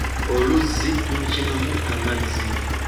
Oluzzi tulukimamu amazzi